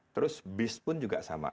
terus bis pun juga sama